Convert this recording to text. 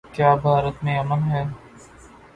کیا بھارت میں امن ہے؟